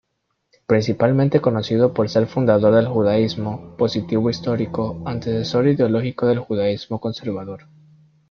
Principalmente conocido por ser el fundador del judaísmo positivo-histórico, antecesor ideológico del judaísmo conservador.